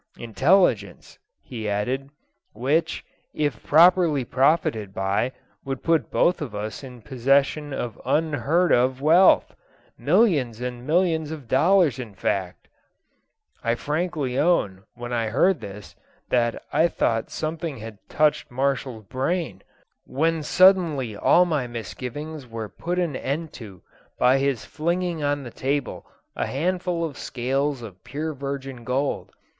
'Intelligence,' he added, 'which, if properly profited by, would put both of us in possession of unheard of wealth millions and millions of dollars in fact.' I frankly own, when I heard this, that I thought something had touched Marshall's brain, when suddenly all my misgivings were put an end to by his flinging on the table a handful of scales of pure virgin gold.